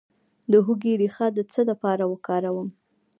د هوږې ریښه د څه لپاره وکاروم؟